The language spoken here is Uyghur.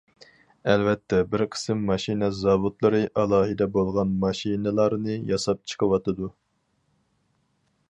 ئەلۋەتتە بىر قىسىم ماشىنا زاۋۇتلىرى ئالاھىدە بولغان ماشىنىلارنى ياساپ چىقىۋاتىدۇ.